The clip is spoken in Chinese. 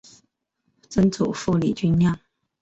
曾祖父李均亮。